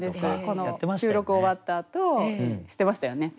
この収録終わったあとしてましたよね。